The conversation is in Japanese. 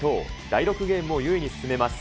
第６ゲームも優位に進めます。